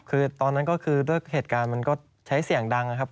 คือตอนนั้นก็คือด้วยเหตุการณ์มันก็ใช้เสียงดังนะครับ